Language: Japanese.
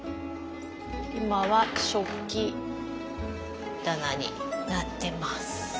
今は食器棚になってます。